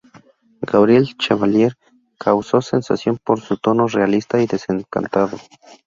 Gabriel Chevallier causó sensación por su tono realista y desencantado.